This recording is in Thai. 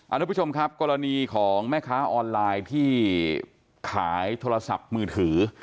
ทุกผู้ชมครับกรณีของแม่ค้าออนไลน์ที่ขายโทรศัพท์มือถือ